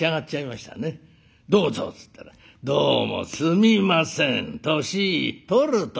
「どうぞ」っつったら「どうもすみません年取ると」